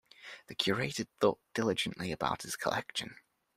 The curator thought diligently about his collection.